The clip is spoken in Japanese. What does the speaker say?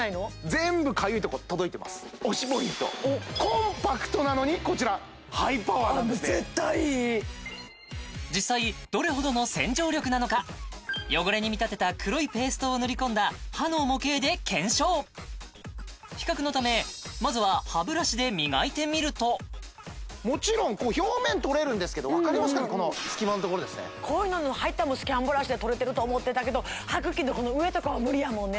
全部かゆいとこ届いてますあっもう絶対いい実際どれほどの洗浄力なのか汚れに見立てた黒いペーストを塗り込んだ歯の模型で検証比較のためまずは歯ブラシで磨いてみるともちろんこう表面取れるんですけど分かりますかねこの隙間のところですねこういうのの入ったんも歯間ブラシで取れてると思ってたけど歯茎のこの上とかは無理やもんね